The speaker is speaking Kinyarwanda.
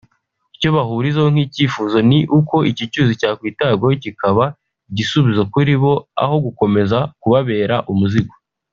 Icyo bahurizaho nk’icyifuzo ni uko iki cyuzi cyakwitabwaho kikaba igisubizo kuri bo aho gukomeza kubabera umuzigo